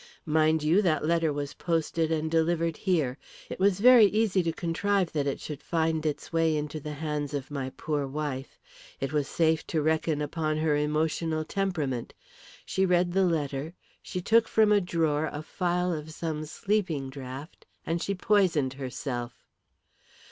Mind you, that letter was posted and delivered here. It was very easy to contrive that it should find its way into the hands of my poor wife; it was safe to reckon upon her emotional temperament. She read the letter; she took from a drawer a phial of some sleeping draught, and she poisoned herself."